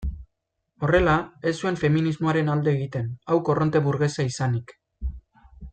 Horrela, ez zuen feminismoaren alde egiten, hau korronte burgesa izanik.